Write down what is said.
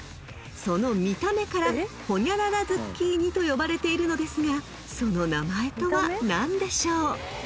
［その見た目からホニャララズッキーニと呼ばれているのですがその名前とは何でしょう？］